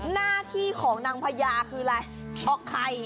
หน้าที่ของนางพญาคืออะไรออกไข่